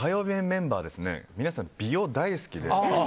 メンバー皆さん、美容大好きで。